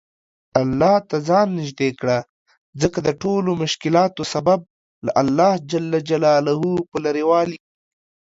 الله ته ځان نیژدې کړه ځکه دټولومشکلاتو سبب له الله ج په لرې والي